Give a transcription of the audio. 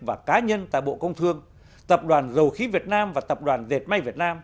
và cá nhân tại bộ công thương tập đoàn dầu khí việt nam và tập đoàn dệt may việt nam